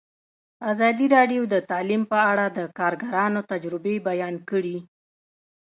ازادي راډیو د تعلیم په اړه د کارګرانو تجربې بیان کړي.